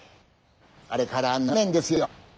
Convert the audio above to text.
あれから７年ですよ。